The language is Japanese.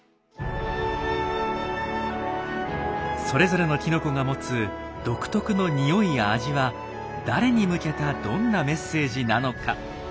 それぞれのきのこが持つ独特の匂いや味は誰に向けたどんなメッセージなのか？